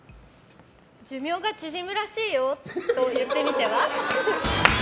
寿命が縮むらしいよと言ってみては？